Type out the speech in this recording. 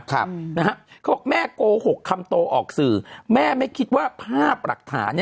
เขาบอกนะฮะเขาบอกแม่โกหกคำโตออกสื่อแม่ไม่คิดว่าภาพหลักฐาน